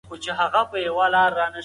هغه وویل چي تخلیقي ادب ادئب رامنځته کوي.